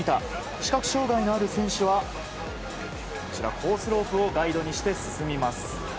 視覚障害のある選手はコースロープをガイドにして進みます。